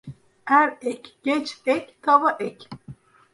Er ek, geç ek, tava ek.